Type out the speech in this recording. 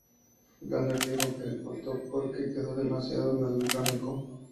Gardner dijo que se cortó porque quedó demasiado melodramático.